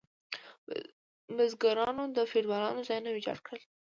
بزګرانو د فیوډالانو ځایونه ویجاړ کړل.